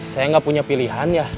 saya nggak punya pilihan ya